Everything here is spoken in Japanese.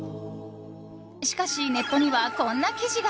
しかし、ネットにはこんな記事が。